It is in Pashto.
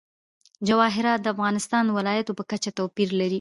جواهرات د افغانستان د ولایاتو په کچه توپیر لري.